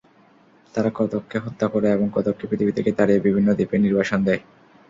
তারা কতককে হত্যা করে এবং কতককে পৃথিবী থেকে তাড়িয়ে বিভিন্ন দ্বীপে নির্বাসন দেয়।